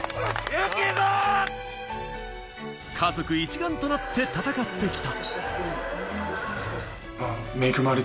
家族一丸となって戦ってきた。